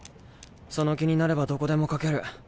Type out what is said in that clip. その気になればどこでも描ける。